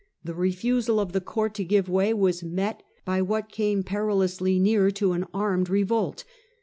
The refusal of the court to give way was met by what came perilously near to an armed revolt.